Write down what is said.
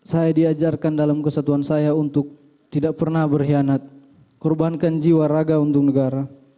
saya diajarkan dalam kesatuan saya untuk tidak pernah berkhianat korbankan jiwa raga untuk negara